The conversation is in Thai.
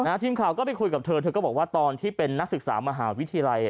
ทีมข่าวก็ไปคุยกับเธอเธอก็บอกว่าตอนที่เป็นนักศึกษามหาวิทยาลัย